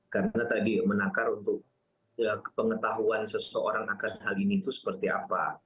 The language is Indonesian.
karena tadi menakar untuk pengetahuan seseorang akan hal ini itu seperti apa